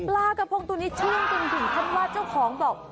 ปลากระพงตัวนี้ชื่นจนถึงคำว่าเจ้าของบอก